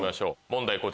問題